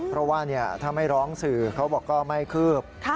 เพราะว่าถ้าไม่ร้องสื่อเขาบอกก็ไม่คืบ